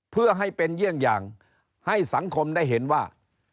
เพื่อให้เป็นเยี่ยงอย่างให้สังคมได้เห็นว่า